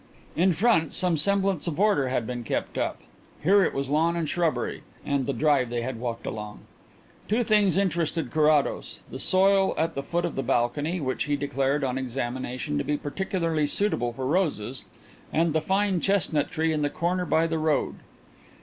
In front, some semblance of order had been kept up; here it was lawn and shrubbery, and the drive they had walked along. Two things interested Carrados: the soil at the foot of the balcony, which he declared on examination to be particularly suitable for roses, and the fine chestnut tree in the corner by the road.